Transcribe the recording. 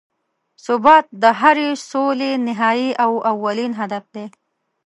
ثبات د هرې سولې نهایي او اولین هدف دی.